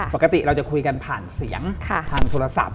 ปกติเราจะคุยกันผ่านเสียงทางโทรศัพท์